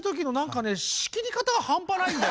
仕切り方がハンパないんだよな。